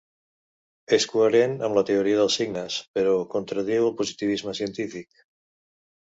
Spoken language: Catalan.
És coherent amb la teoria dels signes, però contradiu el positivisme científic.